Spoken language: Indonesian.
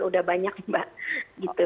sudah banyak mbak